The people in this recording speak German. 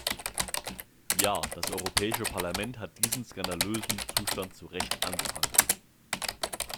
Ja, das Europäische Parlament hat diesen skandalösen Zustand zu Recht angeprangert.